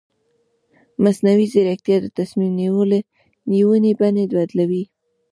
مصنوعي ځیرکتیا د تصمیم نیونې بڼه بدلوي.